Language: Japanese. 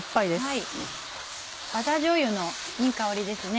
バターじょうゆのいい香りですね。